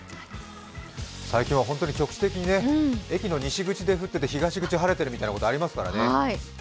最近は局地的に駅の西口で降ってて東口晴れているみたいなことありますからね。